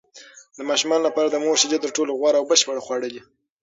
د ماشومانو لپاره د مور شیدې تر ټولو غوره او بشپړ خواړه دي.